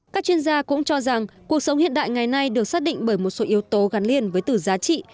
các chuyên gia cũng cho rằng cuộc sống hiện đại ngày nay được xác định bởi một số yếu tố gắn liền với từ giá trị